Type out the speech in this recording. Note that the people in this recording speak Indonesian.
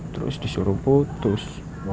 terus disuruh putus